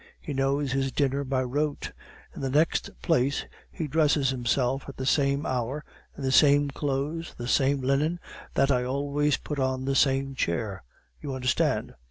He knows his dinner by rote. In the next place, he dresses himself at the same hour, in the same clothes, the same linen, that I always put on the same chair, you understand?